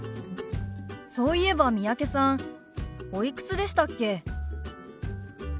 そういえば三宅さんおいくつでしたっけ？